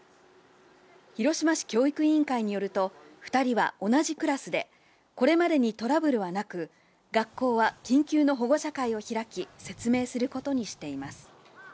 広島市教育委員会によると、２人は同じクラスで、これまでにトラブルはなく、学校は緊急の保護者会を開き、説明することにしています。